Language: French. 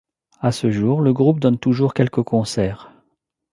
À ce jour, le groupe donne toujours quelques concerts.